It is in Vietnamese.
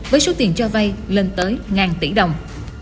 với số tiền cho vay lên tới ngàn tỷ đồng